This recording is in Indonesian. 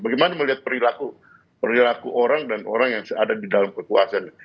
bagaimana melihat perilaku orang dan orang yang ada di dalam kekuasaan